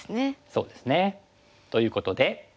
そうですね。ということで。